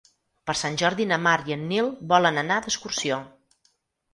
Per Sant Jordi na Mar i en Nil volen anar d'excursió.